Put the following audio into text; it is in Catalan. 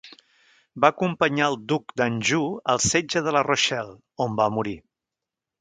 Va acompanyar al duc d'Anjou al setge de la Rochelle, on va morir.